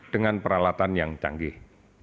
dengan peralatan yang canggih